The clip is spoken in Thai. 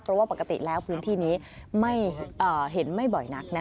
เพราะว่าปกติแล้วพื้นที่นี้เห็นไม่บ่อยนัก